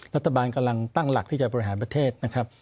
รัฐบาลกำลังตั้งหลักที่จะบริหารประเทศนะครับ